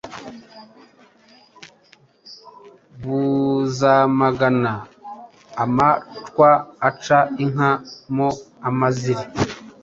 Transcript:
Buzamagana amacwa, Aca inka mo amaziri.